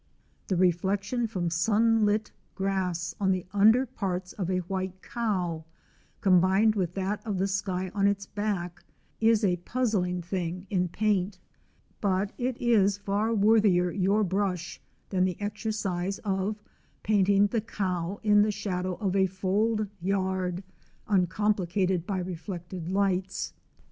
The reflection from sunlit grass on the under parts of a white cow, combined with that of the sky on its back, is a puzzling thing in paint ; but it is far worthier your brush than the exercise of painting the cow in the shadow of a fold yard, uncomplicated by reflected lights.